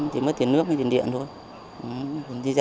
đi ra thuyên ngoài